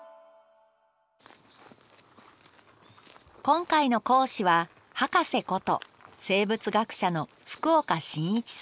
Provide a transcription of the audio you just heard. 今回の講師はハカセこと生物学者の福岡伸一さん。